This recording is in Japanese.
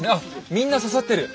みんな刺さってる。